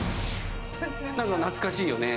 何か懐かしいよね。